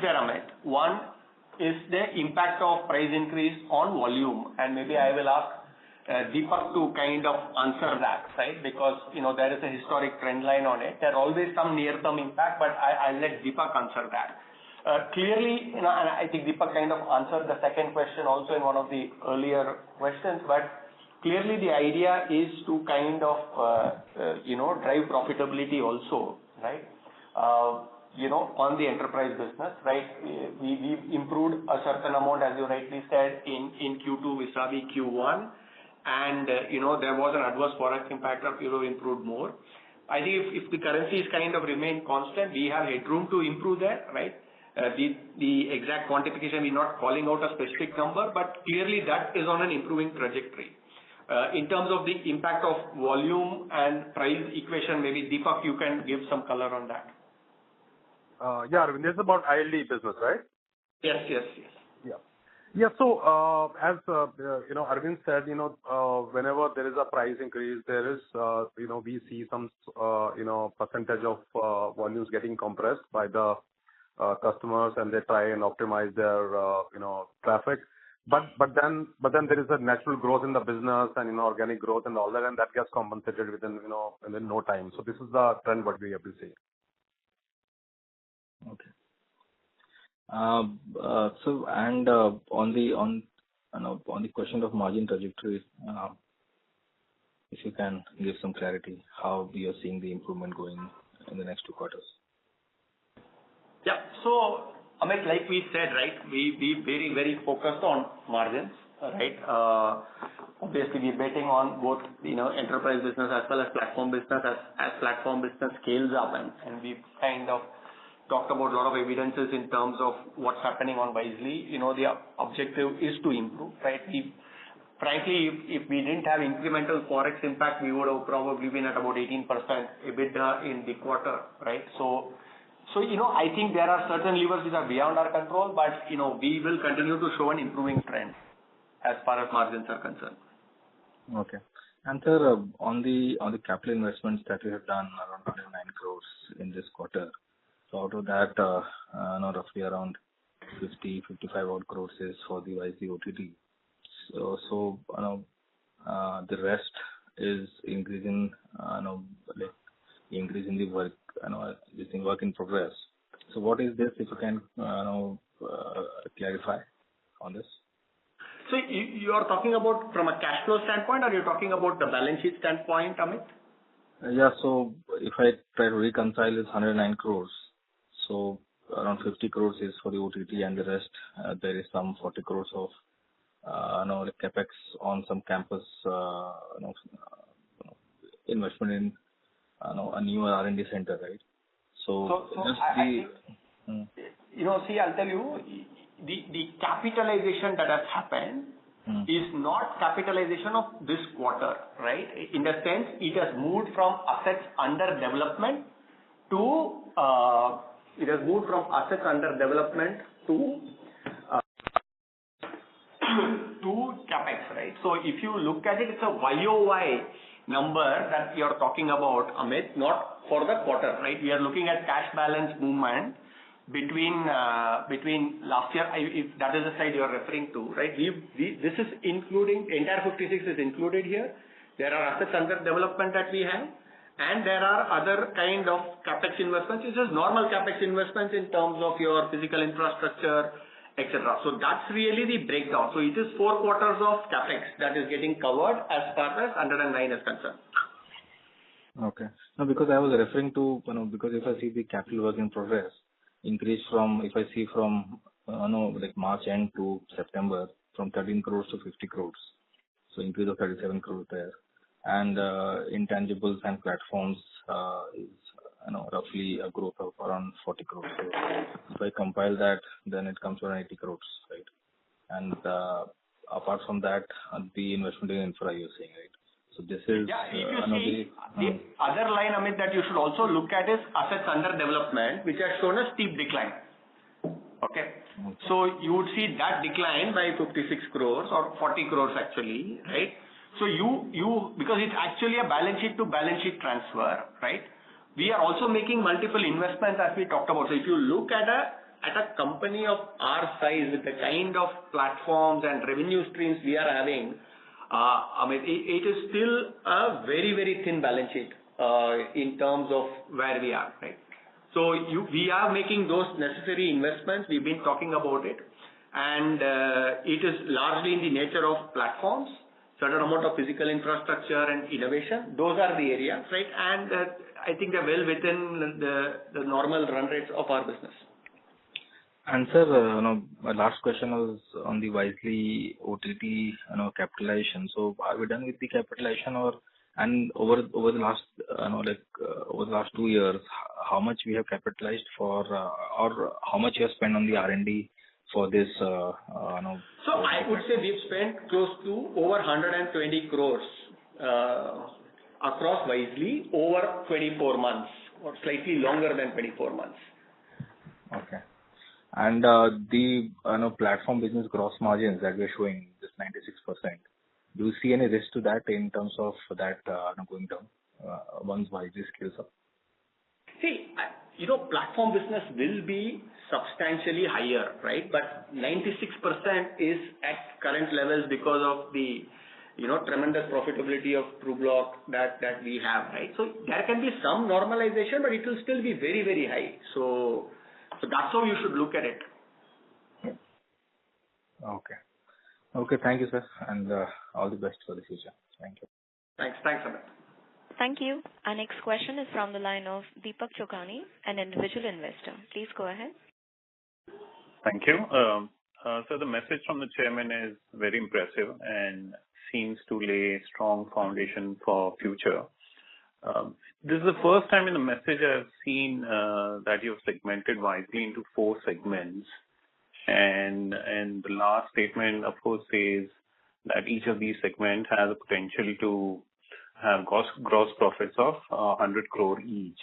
there, Amit. One is the impact of price increase on volume, and maybe I will ask Deepak to kind of answer that, right? because there is a historic trend line on it. There's always some near-term impact, but I'll let Deepak answer that. clearly I think Deepak kind of answered the second question also in one of the earlier questions. Clearly the idea is to kind of drive profitability also, right? You know, on the enterprise business, right? We've improved a certain amount, as you rightly said, in Q2 vis-à-vis Q1. You know, there was an adverse forex impact of euro improved more. I think if the currency is kind of remain constant, we have headroom to improve that, right? The exact quantification, we're not calling out a specific number, but clearly that is on an improving trajectory. In terms of the impact of volume and price equation, maybe, Deepak, you can give some color on that. Yeah. This is about ILD business, right? Yes, yes. As Arvind said whenever there is a price increase, there is we see some percentage of volumes getting compressed by the customers, and they try and optimize their traffic. But then there is a natural growth in the business and organic growth and all that, and that gets compensated within within no time. This is the trend what we have been seeing. You know, on the question of margin trajectories, if you can give some clarity how we are seeing the improvement going in the next two quarters. Yeah. Amit, like we said, right? We very focused on margins, right? Obviously we're betting on both enterprise business as well as platform business. As platform business scales up, and we've kind of talked about a lot of evidence in terms of what's happening on Wisely. You know, the objective is to improve, right? If frankly, if we didn't have incremental forex impact, we would have probably been at about 18% EBITDA in the quarter, right? You know, I think there are certain levers which are beyond our control, but you know, we will continue to show an improving trend as far as margins are concerned. Okay. Sir, on the capital investments that we have done 109 crore in this quarter. Out of that, roughly around 55 odd crore is for the Wisely OTT. The rest is increasing the work in progress. What is this, if you can clarify on this? You are talking about from a cash flow standpoint, or you're talking about the balance sheet standpoint, Amit? If I try to reconcile this 109 crore. Around 50 crore is for the OTT and the rest, there is some 40 crore of the CapEx on some campus investment in a new R&D center, right? So, so I, I think- Mm-hmm. You know, see, I'll tell you, the capitalization that has happened. Mm-hmm. This is not capitalization of this quarter, right? In that sense, it has moved from assets under development to. If you look at it's a YOY number that you're talking about, Amit, not for the quarter, right? We are looking at cash balance movement between last year. If that is the side you are referring to, right? This is including entire 56 is included here. There are assets under development that we have, and there are other kind of CapEx investments. It's just normal CapEx investments in terms of your physical infrastructure, et cetera. That's really the breakdown. It is four quarters of CapEx that is getting covered as far as 109 is concerned. Okay. No, because I was referring to because if I see the capital work in progress increase from like, March end to September, from 13 crores to 50 crores, so increase of 37 crore there. Intangibles and platforms is roughly a growth of around 40 crores. If I compile that, then it comes to 90 crores, right? Apart from that, the investment in infra you're saying, right? This is- Yeah. If you see. Another- The other line, Amit, that you should also look at is assets under development, which has shown a steep decline. Okay? Okay. You would see that decline by 56 crores or 40 crores actually, right? Because it's actually a balance sheet to balance sheet transfer, right? We are also making multiple investments, as we talked about. If you look at a company of our size with the kind of platforms and revenue streams we are having, Amit, it is still a very, very thin balance sheet, in terms of where we are, right? We are making those necessary investments. We've been talking about it. It is largely in the nature of platforms. Certain amount of physical infrastructure and innovation. Those are the areas, right? I think they're well within the normal run rates of our business. sir my last question was on the Wisely ott capitalization. Are we done with the capitalization or over the last two years, how much we have capitalized for or how much you have spent on the R&D for this, you know I would say we've spent close to over 120 crore across Wisely over 24 months or slightly longer than 24 months. Okay. You know, platform business gross margins that we're showing, just 96%. Do you see any risk to that in terms of that going down, once Wisely scales up? see platform business will be substantially higher, right? But 96% is at current levels because of the tremendous profitability of Truecaller that we have, right? So that's how you should look at it. Okay, thank you, sir. All the best for the future. Thank you. Thanks. Thanks, Amit. Thank you. Our next question is from the line of Deepak Chokhani, an individual investor. Please go ahead. Thank you. The message from the chairman is very impressive and seems to lay strong foundation for future. This is the first time in the message I've seen that you've segmented Wisely into four segments. The last statement, of course, says that each of these segment has a potential to have gross profits of 100 crore each.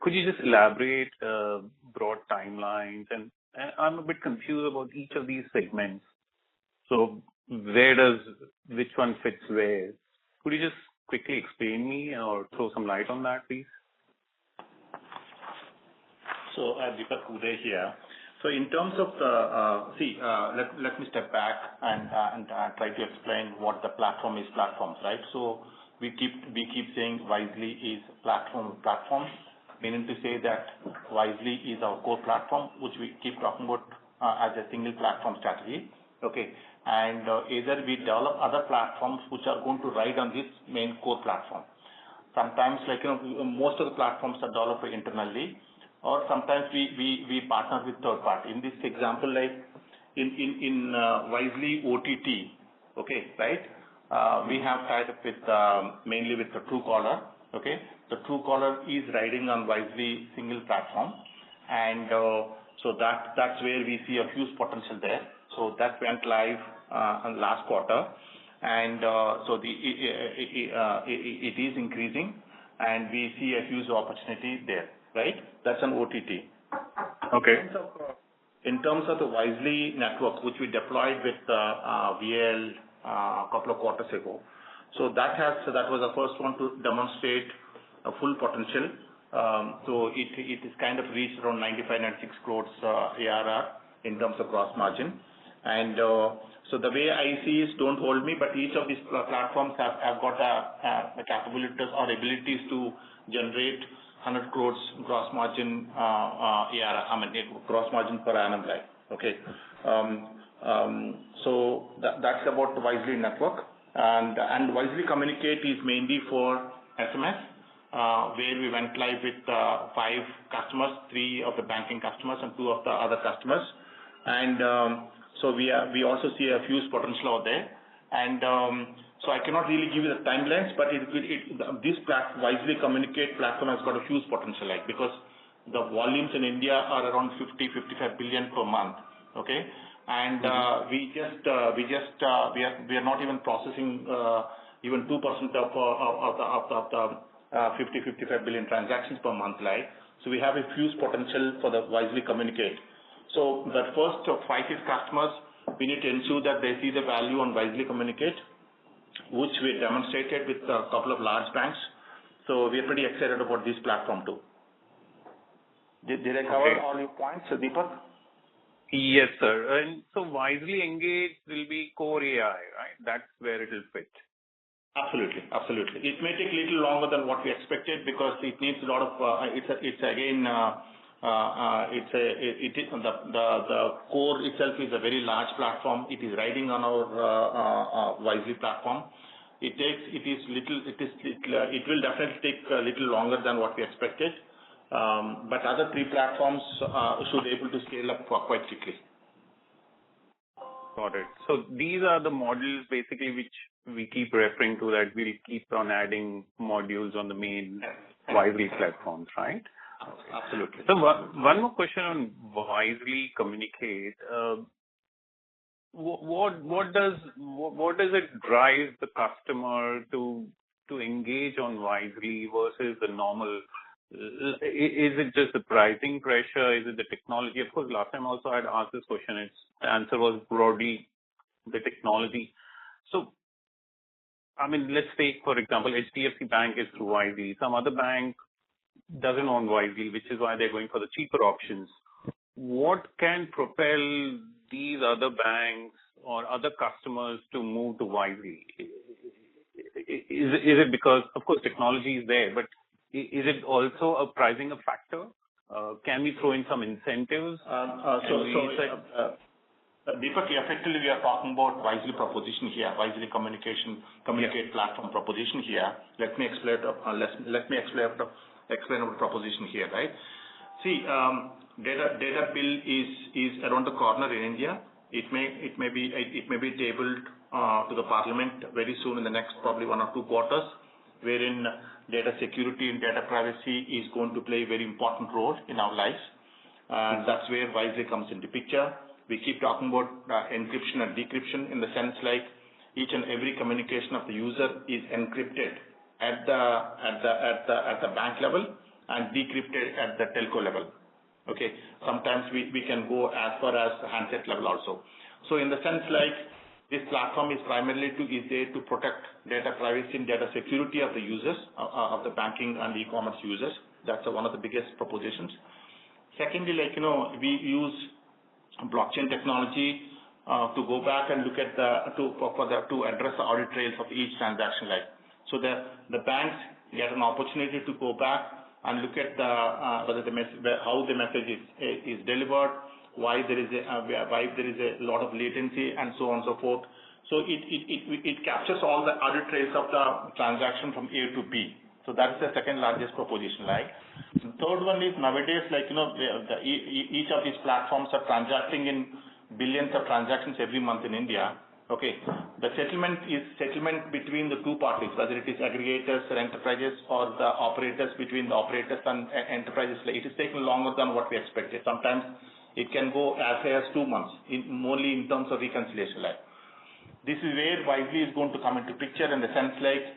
Could you just elaborate broad timelines? I'm a bit confused about each of these segments. Which one fits where? Could you just quickly explain me or throw some light on that, please? Deepak, Uday here. See, let me step back and try to explain what the platform is platforms, right? We keep saying Wisely is platform of platforms, meaning to say that Wisely is our core platform, which we keep talking about as a single platform strategy. Okay. Either we develop other platforms which are going to ride on this main core platform. Sometimes like most of the platforms are developed internally or sometimes we partner with third party. In this example, like in Wisely OTT, okay, right? We have tied up with mainly with the Truecaller. Okay. The Truecaller is riding on Wisely single platform. So that's where we see a huge potential there. That went live last quarter. It is increasing, and we see a huge opportunity there, right? That's on OTT. Okay. In terms of the Wisely Network, which we deployed with Vi a couple of quarters ago. That was the first one to demonstrate a full potential. It is kind of reached around 95-96 crore INR ARR in terms of gross margin. The way I see is, don't hold me, but each of these platforms have got capabilities or abilities to generate 100 crore INR gross margin ARR. I mean, gross margin per annum, right. Okay. That's about Wisely Network. Wisely Communicate is mainly for SMS, where we went live with five customers. Three of the banking customers and two of the other customers. We also see a huge potential out there. I cannot really give you the timelines, but this Wisely Communicate platform has got a huge potential, like, because the volumes in India are around 50-55 billion per month. Okay. Mm-hmm. We are not even processing even 2% of the 55 billion transactions per month, right? We have a huge potential for the Wisely Communicate. The first five, six customers, we need to ensure that they see the value on Wisely Communicate. Which we demonstrated with a couple of large banks. We're pretty excited about this platform too. Did I cover all your points, Deepak? Yes, sir. Wisely Engage will be core AI, right? That's where it will fit. Absolutely. It may take a little longer than what we expected because it needs a lot of. It is, again, the core itself is a very large platform. It is riding on our Wisely platform. It will definitely take a little longer than what we expected. Other three platforms should be able to scale up quite quickly. Got it. These are the modules basically which we keep referring to that we'll keep on adding modules on the main Wisely platforms, right? Absolutely. One more question on Wisely Communicate. What does it drive the customer to engage on Wisely versus the normal? Is it just the pricing pressure? Is it the technology? Of course, last time also I'd asked this question, its answer was broadly the technology. I mean, let's say for example, HDFC Bank is through Wisely. Some other bank doesn't own Wisely, which is why they're going for the cheaper options. What can propel these other banks or other customers to move to Wisely? Is it because? Of course technology is there, but is it also a pricing factor? Can we throw in some incentives? We Deepak, effectively we are talking about Wisely proposition here, Wisely Communicate. Yeah. Communicate platform proposition here. Let me explain it up. Let me actually have to explain our proposition here, right? See, data bill is around the corner in India. It may be tabled to the parliament very soon in the next probably one or two quarters, wherein data security and data privacy is going to play a very important role in our lives. That's where Wisely comes into picture. We keep talking about encryption and decryption in the sense like each and every communication of the user is encrypted at the bank level and decrypted at the telco level. Okay? Sometimes we can go as far as handset level also. In the sense like this platform is primarily to be there to protect data privacy and data security of the users of the banking and e-commerce users. That's one of the biggest propositions. Secondly, like we use blockchain technology to address the audit trails of each transaction like. The banks, they have an opportunity to go back and look at how the message is delivered, why there is a lot of latency, and so on and so forth. It captures all the audit trails of the transaction from A to B. That's the second-largest proposition, right? Third one is nowadays, like each of these platforms are transacting in billions of transactions every month in India. Okay. The settlement between the two parties, whether it is aggregators or enterprises or the operators between the operators and enterprises. It is taking longer than what we expected. Sometimes it can go as far as two months only in terms of reconciliation like. This is where Wisely is going to come into picture in the sense like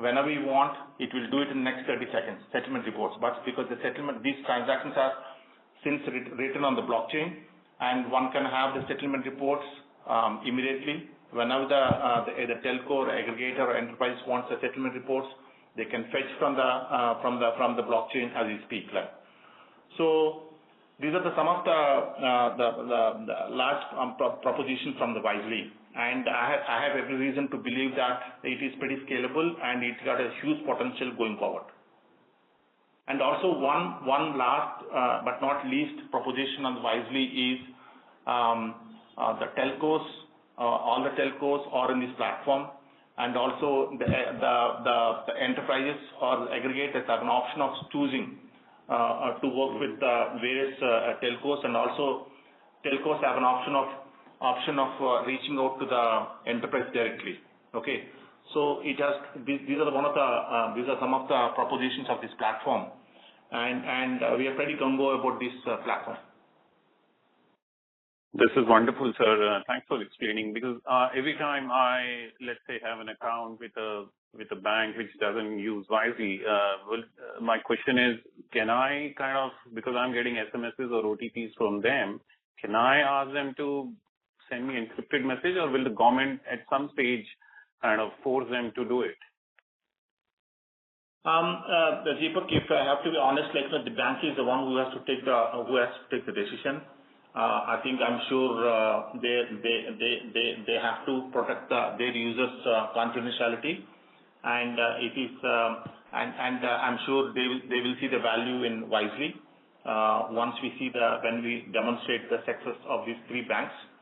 whenever you want, it will do it in the next 30 seconds, settlement reports. But because the settlement, these transactions are since written on the blockchain, and one can have the settlement reports immediately. Whenever the telco or aggregator or enterprise wants a settlement reports, they can fetch from the blockchain as we speak like. These are some of the large propositions from the Wisely. I have every reason to believe that it is pretty scalable, and it's got a huge potential going forward. Also one last but not least proposition on Wisely is the telcos. All the telcos are in this platform. Also the enterprises or aggregators have an option of choosing to work with the various telcos. Also telcos have an option of reaching out to the enterprise directly. Okay. These are some of the propositions of this platform. We are pretty gung-ho about this platform. This is wonderful, sir. Thanks for explaining because every time I, let's say, have an account with a bank which doesn't use Wisely. My question is, because I'm getting SMSs or OTPs from them, can I ask them to send me encrypted message or will the government at some stage kind of force them to do it? Deepak, if I have to be honest, like, the bank is the one who has to take the decision. I think I'm sure they have to protect their users' confidentiality. I'm sure they will see the value in Wisely. When we demonstrate the success of these three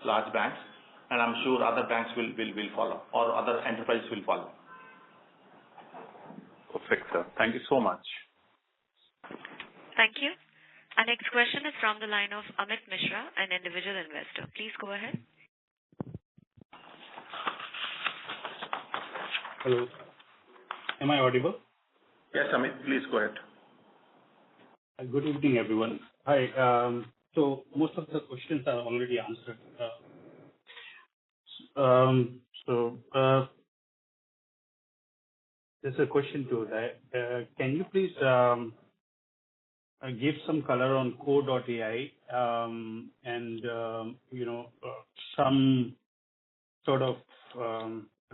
large banks, I'm sure other banks will follow or other enterprises will follow. Perfect, sir. Thank you so much. Thank you. Our next question is from the line of Amit Mishra, an individual investor. Please go ahead. Hello. Am I audible? Yes, Amit, please go ahead. Good evening, everyone. Hi. Most of the questions are already answered. There's a question to that. Can you please give some color on Kore.ai, and you know, some sort of,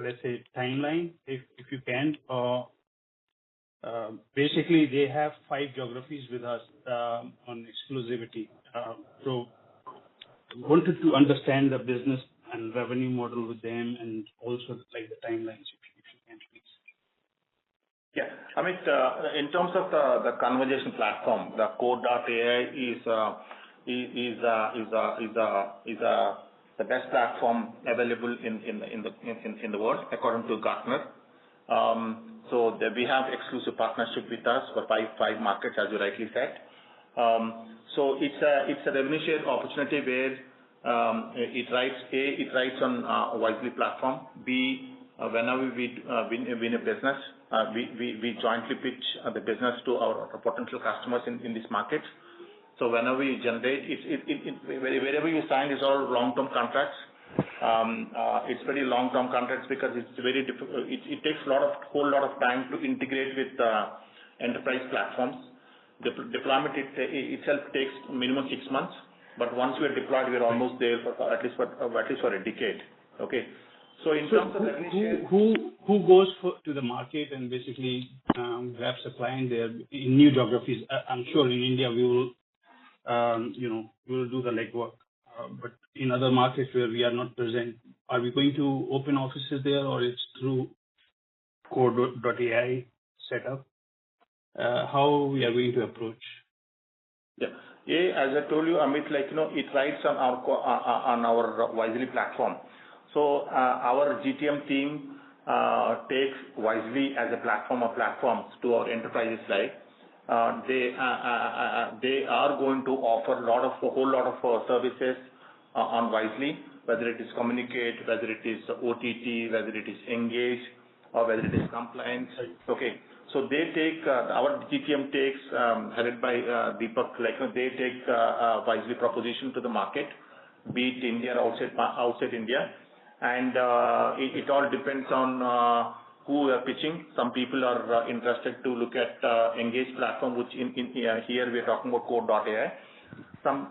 let's say, timeline if you can. Basically, they have five geographies with us on exclusivity. Wanted to understand the business and revenue model with them and also like the timelines, if you can please. Yeah. Amit, in terms of the conversation platform, the Kore.ai is the best platform available in the world according to Gartner. They have exclusive partnership with us for five markets, as you rightly said. It's a revenue share opportunity where it rides, A, on Wisely platform. B, whenever we win a business, we jointly pitch the business to our potential customers in this market. Whenever we sign, it's all long-term contracts. It's very long-term contracts because it takes a whole lot of time to integrate with the enterprise platforms. Deployment itself takes minimum six months, but once we're deployed, we're almost there for at least a decade. Okay. So in terms of revenue share- Who goes to the market and basically grabs the client there in new geographies? I'm sure in India we will do the legwork. But in other markets where we are not present, are we going to open offices there or it's through Kore.ai setup? How we are going to approach? Yeah. As I told you, Amit, like it rides on our Wisely platform. Our GTM team takes Wisely as a platform of platforms to our enterprises, right? They are going to offer a lot of, a whole lot of services on Wisely, whether it is Communicate, whether it is OTT, whether it is Engage or whether it is compliance. Okay. Our GTM takes, headed by Deepak. Like, they take a Wisely proposition to the market, be it India or outside India. It all depends on who we are pitching. Some people are interested to look at Engage platform, which here we're talking about Kore.ai. It all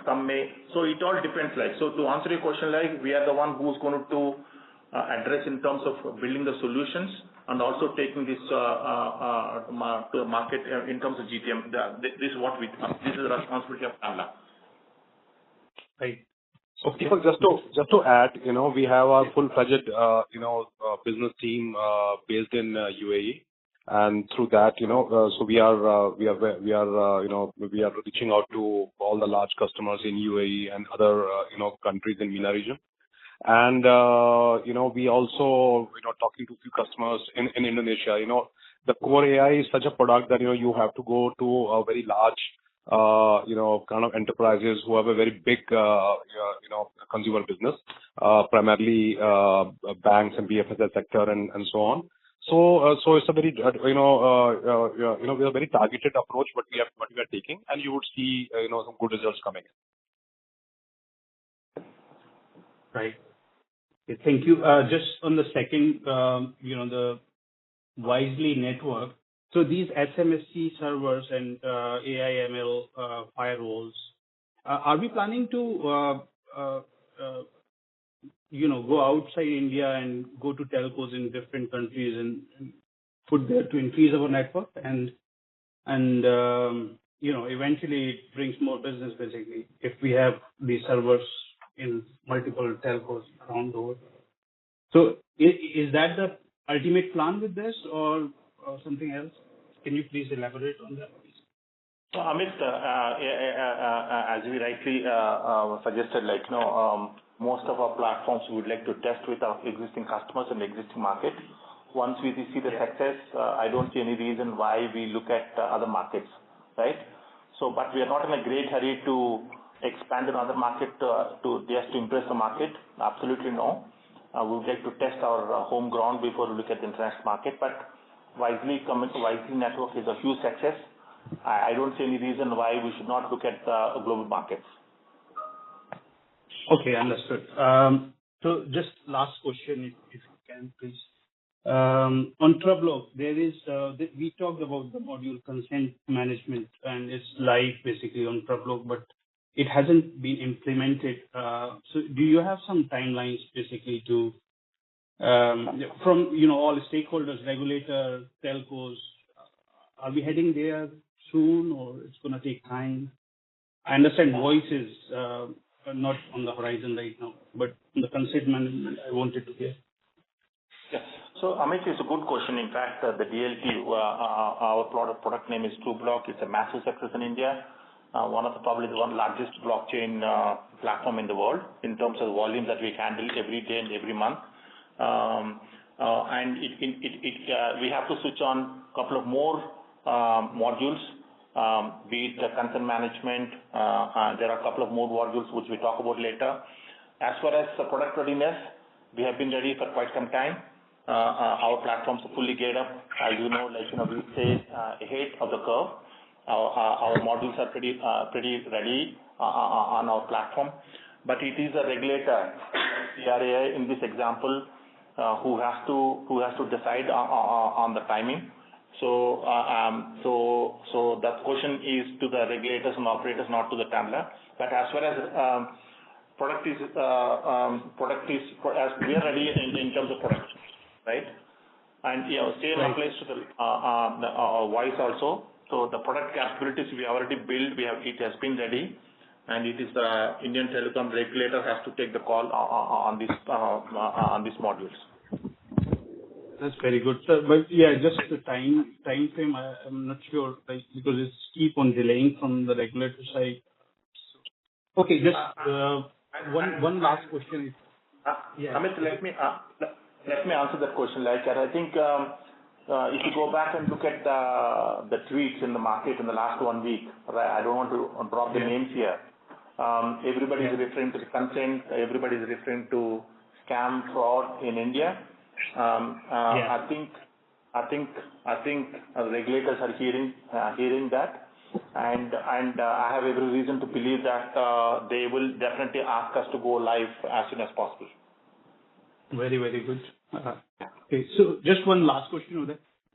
depends, right? To answer your question, like, we are the one who's going to address in terms of building the solutions and also taking this go-to-market in terms of GTM. This is what we do. This is the responsibility of Tanla. Right. Just to add we have a full-fledged business team based in UAE. Through that so we are reaching out to all the large customers in UAE and other countries in MENA region. You know, we also are talking to a few customers in Indonesia. You know, the Kore.ai is such a product that you have to go to a very large kind of enterprises who have a very big consumer business, primarily, banks and BFSI sector and so on. It's a very we are very targeted approach, what we are taking, and you would see some good results coming in. Right. Thank you. Just on the second the Wisely Network. So these SMSC servers and AI/ML firewalls are we planning to you know go outside India and go to telcos in different countries and put there to increase our network and you know eventually it brings more business basically if we have these servers in multiple telcos around the world. So is that the ultimate plan with this or something else? Can you please elaborate on that please? Amit, as we rightly suggested, like most of our platforms we would like to test with our existing customers in existing market. Once we see the success, I don't see any reason why we look at other markets, right? We are not in a great hurry to expand another market to just impress the market. Absolutely no. We would like to test our home ground before we look at the international market. But Wisely Network is a huge success. I don't see any reason why we should not look at global markets. Okay, understood. Just last question, if you can, please. On Trubloq, there is we talked about the module consent management, and it's live basically on Trubloq, but it hasn't been implemented. Do you have some timelines basically to from all the stakeholders, regulators, telcos? Are we heading there soon or it's gonna take time? I understand voice is not on the horizon right now, but the consent management I wanted to hear. Yes. Amit, it's a good question. In fact, the DLT, our product name is Trubloq. It's a massive success in India. Probably the one largest blockchain platform in the world in terms of volume that we handle every day and every month. It, we have to switch on couple of more modules, be it the content management, there are a couple of more modules which we'll talk about later. As far as the product readiness, we have been ready for quite some time. Our platforms are fully geared up. As you know, like we stay ahead of the curve. Our modules are pretty ready on our platform. It is a regulator, TRAI in this example, who has to decide on the timing. That question is to the regulators and operators, not to Tanla. As well as, product is for as we are ready in terms of product, right? You know, same applies to the voice also. The product capabilities we have already built. It has been ready, and it is the Indian telecom regulator has to take the call on these modules. That's very good, sir. Yeah, just the time, timeframe, I'm not sure, like, because it's keep on delaying from the regulatory side. Okay. Just one last question. Amit, let me answer that question. Like I think, if you go back and look at the tweets in the market in the last one week, right? I don't want to drop the names here. Everybody is referring to consent. Everybody is referring to scam, fraud in India. Yeah. I think our regulators are hearing that. I have every reason to believe that they will definitely ask us to go live as soon as possible. Very good. Okay. Just one last question,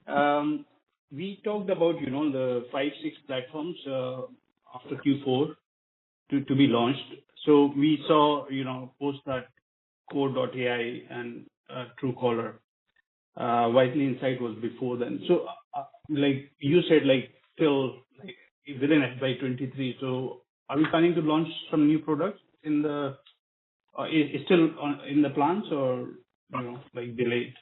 Uday. We talked about the 5, 6 platforms after Q4 to be launched. We saw post that Kore.ai and Truecaller. Wisely Insights was before then. Like you said, like still, like within FY 2023. Are we planning to launch some new products? Is still on in the plans or, I don't know, like delayed?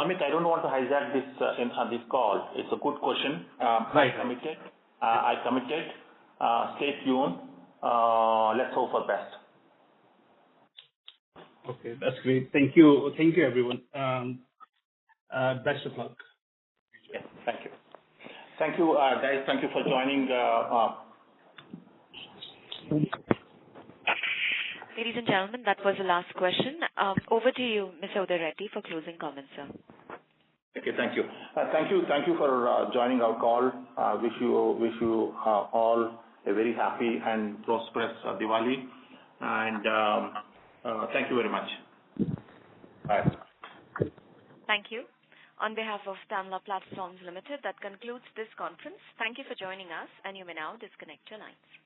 Amit, I don't want to hijack this on this call. It's a good question. Right. I committed safe June. Let's hope for best. Okay, that's great. Thank you. Thank you, everyone. Best of luck. Yeah. Thank you. Thank you, guys. Thank you for joining the. Ladies and gentlemen, that was the last question. Over to you, Mr. Uday Reddy for closing comments, sir. Okay. Thank you for joining our call. Wish you all a very happy and prosperous Diwali. Thank you very much. Bye. Thank you. On behalf of Tanla Platforms Limited, that concludes this conference. Thank you for joining us, and you may now disconnect your lines.